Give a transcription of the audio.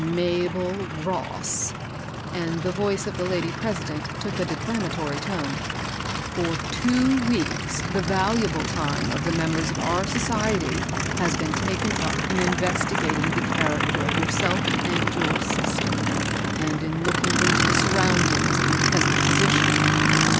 Mabel Rossi'' and the voice of the lady president took a declamatory tone, " for two weeks the valuable time of the members of our soci ety has been taken up in investigating the character of yourself and your sister, and in looking into the surroundings of your present position.